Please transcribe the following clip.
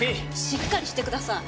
しっかりしてください。